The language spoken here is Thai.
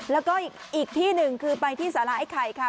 แล้วก็อีกที่หนึ่งคือไปที่สาระไอ้ไข่ค่ะ